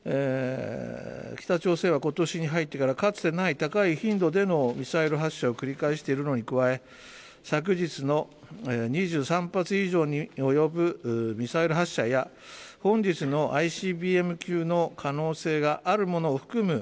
北朝鮮は今年に入ってからかつてない高い頻度でのミサイル発射を繰り返しているのに加え昨日の２３発以上に及ぶミサイル発射や本日の、ＩＣＢＭ級の可能性があるものを含む